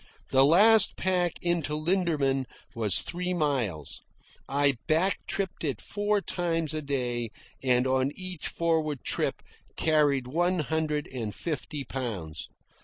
The last pack into Linderman was three miles. I back tripped it four times a day, and on each forward trip carried one hundred and fifty pounds.